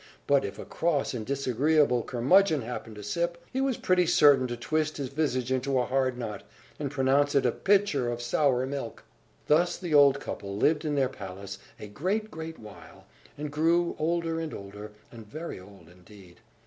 But, if a cross and disagreeable curmudgeon happened to sip, he was pretty certain to twist his visage into a hard knot, and pronounce it a pitcher of sour milk! Thus the old couple lived in their palace a great, great while, and grew older and older, and very old indeed.